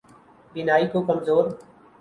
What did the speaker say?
بینائی کو کمزور